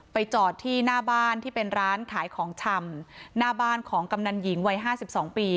จอดที่หน้าบ้านที่เป็นร้านขายของชำหน้าบ้านของกำนันหญิงวัย๕๒ปี